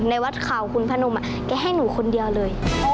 ในวัดข่าวคุณพนมแกให้หนูคนเดียวเลย